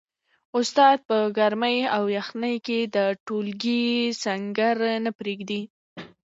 استاد په ګرمۍ او یخنۍ کي د ټولګي سنګر نه پریږدي.